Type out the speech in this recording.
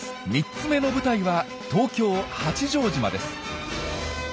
３つ目の舞台は東京八丈島です。